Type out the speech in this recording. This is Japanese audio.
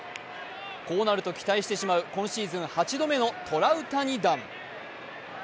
こうなると期待してしまう今シーズン８度目のトラウタニ弾。